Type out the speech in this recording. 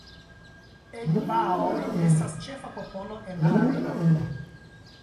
Egbaoj estas ĉefa popolo en la areo.